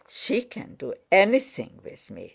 She can do anything with me!"